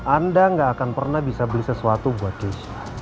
anda gak akan pernah bisa beli sesuatu buat keisha